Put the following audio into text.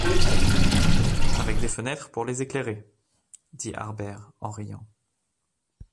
Avec des fenêtres pour les éclairer! dit Harbert en riant.